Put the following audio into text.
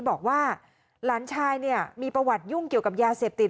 บอกว่าหลานชายเนี่ยมีประวัติยุ่งเกี่ยวกับยาเสพติด